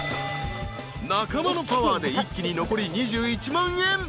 ［仲間のパワーで一気に残り２１万円］